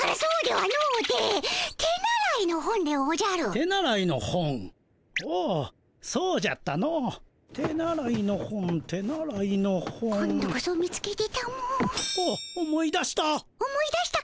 はっ思い出した。